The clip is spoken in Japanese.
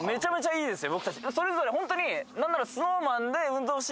それぞれホントに何なら。